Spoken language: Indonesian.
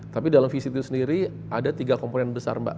tapi dalam visi itu sendiri ada tiga komponen besar mbak